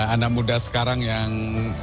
anak muda sekarang yang